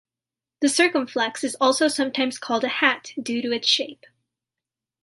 The circumflex is also sometimes called a hat due to its shape.